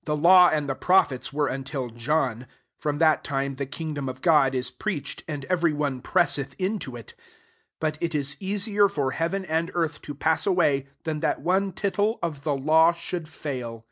16 "The law and the pro phets were until John : from that time the kingdom of God is preached, and every one presseth into it. 17 But it is easier for heaven and earth t^ pass away, than that one tittle of the law should fail.